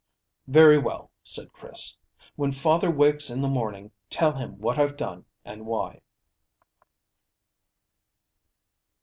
"Very well," said Chris. "When father wakes in the morning, tell him what I've done, and why."